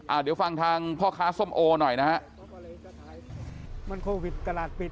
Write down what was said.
อ่ะเดี๋ยวฟังทางพ่อค้าส้มโอหน่อยนะครับ